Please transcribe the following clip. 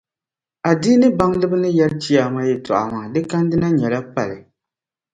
Adiini baŋdiba ni yɛri chiyaama yiɣisibu yɛltɔɣa maa, di kandi na nyɛla pali.